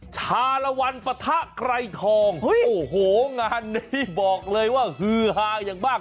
ชาลวันปะทะไกรทองโอ้โหงานนี้บอกเลยว่าฮือฮาอย่างมาก